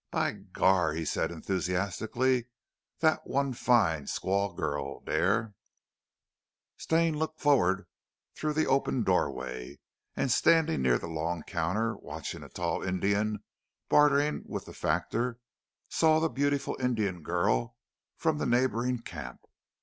"By gar," he said enthusiastically, "dat one very fine squaw girl dere." Stane looked forward through the open doorway, and standing near the long counter, watching a tall Indian bartering with the factor, saw the beautiful Indian girl from the neighbouring camp.